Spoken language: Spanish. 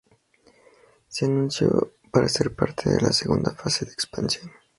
Se anunció para ser parte de la "segunda fase" de expansión.